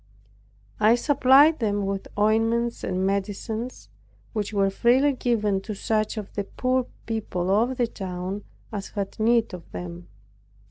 I supplied them with ointments and medicines, which were freely given to such of the poor people of the town as had need of them.